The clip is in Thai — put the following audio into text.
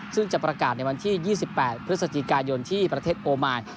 ซึ่งจะประกาศในวันที่๒๘พฤศจิกายนที่ประเทศโอมาน